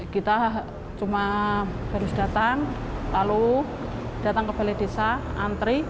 kita cuma harus datang lalu datang ke balai desa antri